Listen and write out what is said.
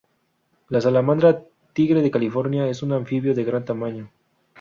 La salamandra tigre de California es un anfibio de gran tamaño.